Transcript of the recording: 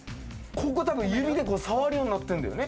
ここ指で触るようになってるんだよね？